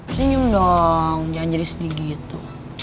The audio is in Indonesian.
senyum dong jangan jadi sedih gitu